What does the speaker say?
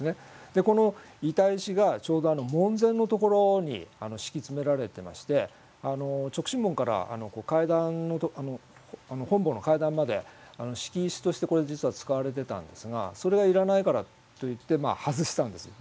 でこの板石がちょうど門前のところに敷き詰められてまして勅使門から本坊の階段まで敷石としてこれ実は使われてたんですがそれがいらないからといって外したんですよ。